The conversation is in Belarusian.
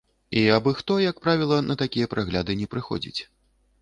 І абы-хто, як правіла, на такія прагляды не прыходзіць.